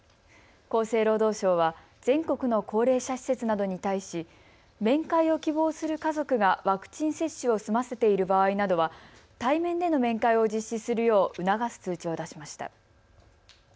厚生労働省は全国の高齢者施設などに対し面会を希望する家族がワクチン接種を済ませている場合などは対面での面会を実施するよう促す通知を出しました。